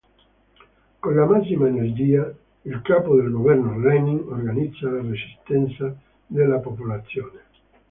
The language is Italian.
Con la massima energia, il capo del governo Lenin organizza la resistenza della popolazione.